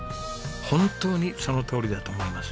本当にそのとおりだと思います。